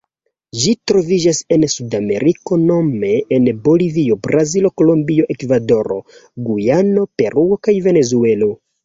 Ĝi troviĝas en Sudameriko nome en Bolivio, Brazilo, Kolombio, Ekvadoro, Gujano, Peruo kaj Venezuelo.